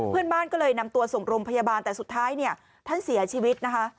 เพื่อนบ้านก็เลยนำตัวส่งโรงพยาบาลแต่สุดท้ายเนี่ยท่านเสียชีวิตนะคะ